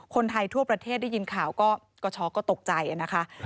คนไทยทั่วประเทศได้ยินข่าวก็ช็อกก็ตกใจนะคะ